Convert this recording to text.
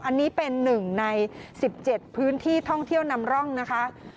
อันนี้เป็น๑ใน๑๗พื้นที่ท่องเที่ยวนำร่องนะคะ